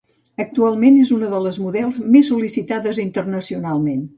Actualment és una de les models més sol·licitades internacionalment.